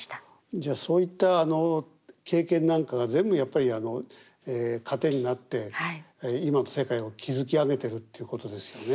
じゃあそういった経験なんかが全部やっぱり糧になって今の世界を築き上げてるっていうことですよね。